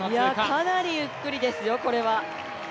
かなりゆっくりですよこれは。